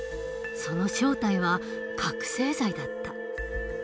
その正体は覚醒剤だった。